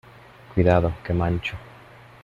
cuidado, que mancho.